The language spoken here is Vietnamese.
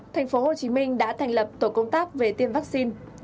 thành phố hồ chí minh đã thành lập tổ công tác về tiêm vaccine